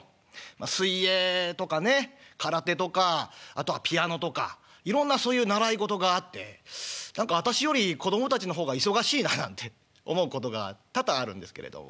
水泳とかね空手とかあとはピアノとかいろんなそういう習い事があって何か私より子供たちの方が忙しいななんて思うことが多々あるんですけれども。